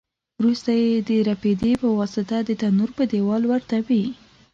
وروسته یې د رپېدې په واسطه د تنور په دېوال ورتپي.